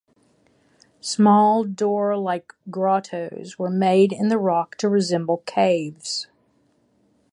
Small door like grottoes were made in the rock to resemble caves.